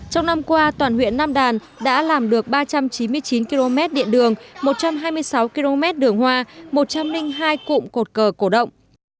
trong năm qua toàn huyện nam đàn đã làm được ba trăm chín mươi chín km điện đường một trăm hai mươi sáu km đường hoa một trăm linh hai cụm cột cờ cổ động